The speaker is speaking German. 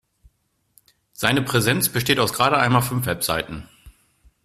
Seine Präsenz besteht aus gerade einmal fünf Webseiten.